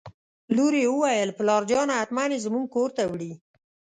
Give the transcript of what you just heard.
لور یې وویل: پلارجانه حتماً یې زموږ کور ته وړي.